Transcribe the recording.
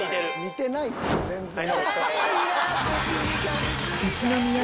似てないって全然。